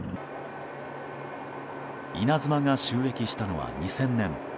「いなづま」が就役したのは２０００年。